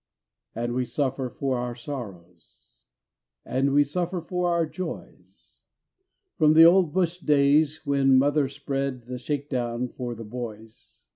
And we suffer for our sorrows, And we suffer for our joys, From the old bush days when mother Spread the shake down for the boys.